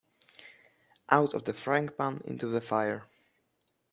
Out of the frying pan into the fire.